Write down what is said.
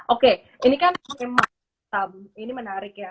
oke ini kan memang menarik ya